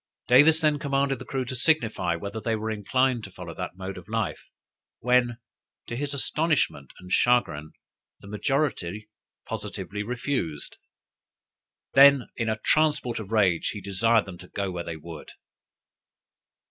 Davis then commanded the crew to signify whether they were inclined to follow that mode of life, when, to his astonishment and chagrin, the majority positively refused. Then, in a transport of rage, he desired them to go where they would.